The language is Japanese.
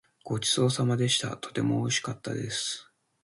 ごちそうさまでした。とてもおいしかったです。